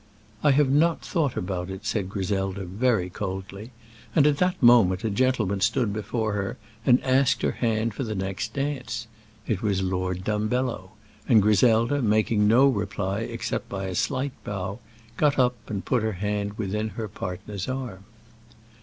"I have not thought about it," said Griselda, very coldly, and at that moment a gentleman stood before her and asked her hand for the next dance. It was Lord Dumbello; and Griselda, making no reply except by a slight bow, got up and put her hand within her partner's arm.